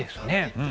うん。